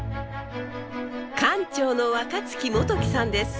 館長の若月元樹さんです。